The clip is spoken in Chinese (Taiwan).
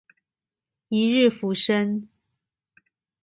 一日浮生